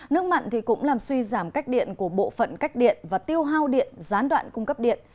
nước mặn cũng làm suy giảm cách điện của bộ phận cách điện và tiêu hao điện gián đoạn cung cấp điện